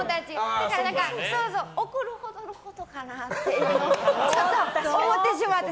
だから、怒るほどのことかなってちょっと思ってしまって。